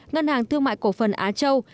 ngân hàng thương mại cổ phần á châu